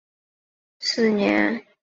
成泰四年。